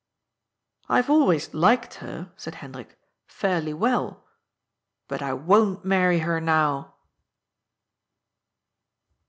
" I have always liked her," said Hendrik, " fairly well. But I won't marry her now."